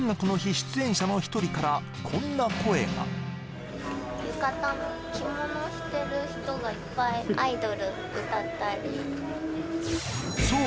出演者の一人からこんな声がゆかたの着物着てる人がいっぱい「アイドル」歌ったりそう